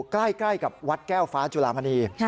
ใกล้กับวัดแก้วฟ้าจุลามณี